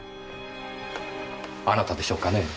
あなたでしょうかねぇ？